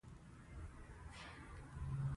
زه په کتابچه کې لیکم.